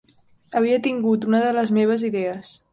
Havia tingut una de les meves idees.